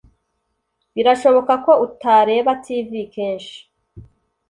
Birashoboka ko utareba TV kenshi